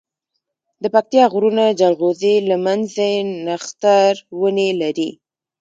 دپکتيا غرونه جلغوزي، لمنځی، نښتر ونی لری